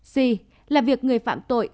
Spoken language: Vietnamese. si là việc người phạm tội